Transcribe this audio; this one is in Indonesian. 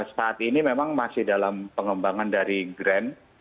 saat ini memang masih dalam pengembangan dari grand